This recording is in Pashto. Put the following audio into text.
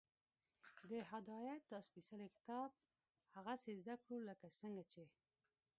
د هدایت دا سپېڅلی کتاب هغسې زده کړو، لکه څنګه چې